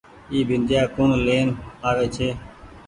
اي بنديآ ڪوڻ لين آوي ڇي۔